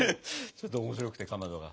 ちょっと面白くてかまどが。